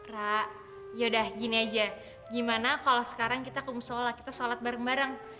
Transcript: ra yaudah gini aja gimana kalo sekarang kita kemusola kita sholat bareng bareng